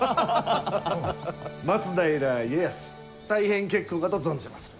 「松平家康」大変結構かと存じまする。